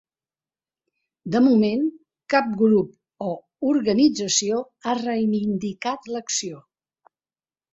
De moment, cap grup o organització ha reivindicat l’acció.